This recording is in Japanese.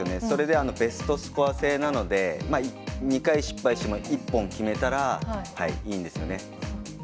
それでベストスコア制なので２回失敗しても１本決めたらいいんですよね。